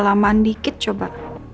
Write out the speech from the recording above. lamaan dikit coba